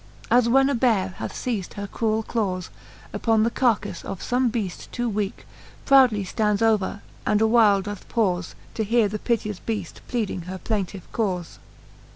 As v/hen a beare hath feiz'd her cruell clawes Upon the carkalTe of fome beaft too weake, Proudly ftands over, and a while doth paufe, To heare the piteous beaft pleading her plaintiffe caufe.